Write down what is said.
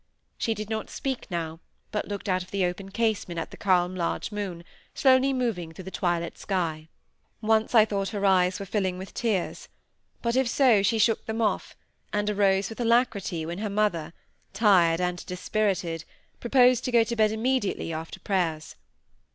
She did not speak now, but looked out of the open casement at the calm large moon, slowly moving through the twilight sky. Once I thought her eyes were filling with tears; but, if so, she shook them off, and arose with alacrity when her mother, tired and dispirited, proposed to go to bed immediately after prayers.